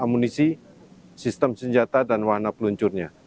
amunisi sistem senjata dan warna peluncurnya